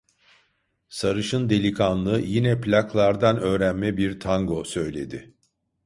Sarışın delikanlı yine plaklardan öğrenme bir tango söyledi.